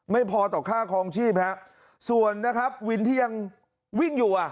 ไม่พอต่อค่าคลองชีพฮะส่วนนะครับวินที่ยังวิ่งอยู่อ่ะ